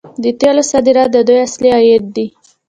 د تیلو صادرات د دوی اصلي عاید دی.